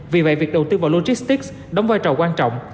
vì vậy việc đầu tư vào logistics đóng vai trò quan trọng